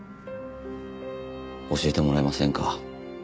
教えてもらえませんか？